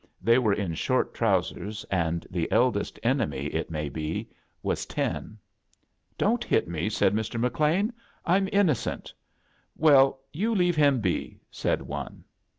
They were in short trousers, and the eldest enemy, it may be, was ten. "Don't hit me," said Hr.HcLeao. "I'm iimocent." "Well, you leave him be," said one.